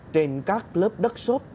trên các lớp đất sốt